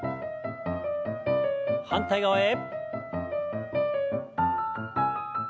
反対側へ。